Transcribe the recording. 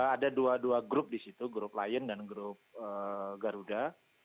ada dua dua grup di situ grup lion dan grup garuda